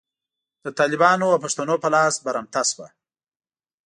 په طالبانو او پښتنو په لاس برمته شوه.